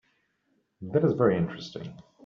That is very interesting.